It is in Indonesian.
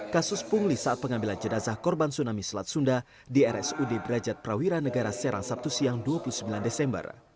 kasus pungli saat pengambilan jenazah korban tsunami selat sunda di rsud brajat prawira negara serang sabtu siang dua puluh sembilan desember